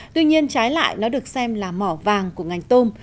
tuy nhiên trái lại nó được xem là mỏ vàng của ngành tôm